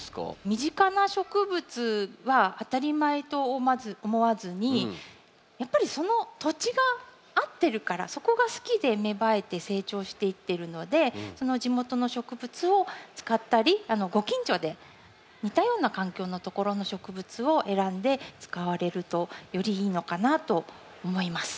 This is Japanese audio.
身近な植物は当たり前とまず思わずにやっぱりその土地が合ってるからそこが好きで芽生えて成長していってるのでその地元の植物を使ったりご近所で似たような環境のところの植物を選んで使われるとよりいいのかなと思います。